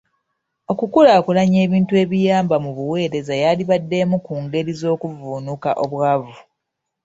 Okukulaakulanya ebintu ebiyamba mu buweereza yandibadde emu ku ngeri z'okuvvuunuka obwavu.